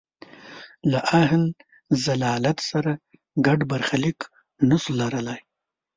له اهل ضلالت سره ګډ برخلیک نه شو لرلای.